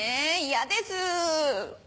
嫌です？